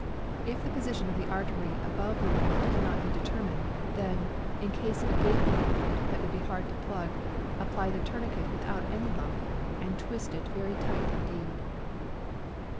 If the position of the artery above the wound cannot be determined, then, in case of a gaping wound that would be hard to plug, apply the tourniquet without any lump, and twist it very tight indeed.